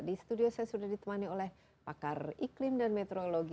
di studio saya sudah ditemani oleh pakar iklim dan meteorologi